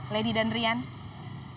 lady dan rian